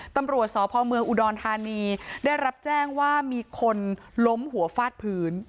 ตำรวจสพเมืองอุดรธานีได้รับแจ้งว่ามีคนล้มหัวฟาดพื้น